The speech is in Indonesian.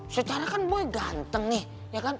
secara kan boy ganteng nih ya kan